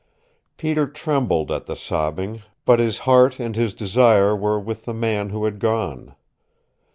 Peter trembled at the sobbing, but his heart and his desire were with the man who had gone.